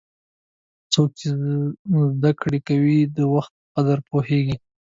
څوک چې زده کړه کوي، د وخت قدر پوهیږي.